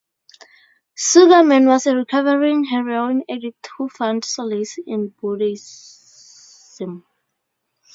Sugerman was a recovering heroin addict who found solace in Buddhism.